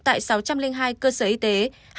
tại sáu trăm linh hai cơ sở y tế